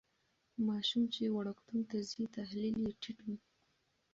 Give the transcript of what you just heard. ماشوم چې وړکتون ته ځي تحلیل یې ټیټ وي.